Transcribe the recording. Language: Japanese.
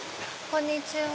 こんにちは。